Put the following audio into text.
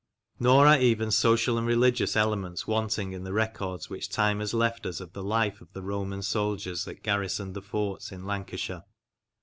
Nor are even social and religious elements wanting in the records which time has left us of the life of the Roman soldiers that garrisoned the forts in Lancashire.